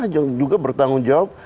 dan lah yang juga bertanggung jawab